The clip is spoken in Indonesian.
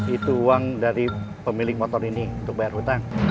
itu uang dari pemilik motor ini untuk bayar utang